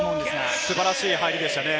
素晴らしい入りでしたね。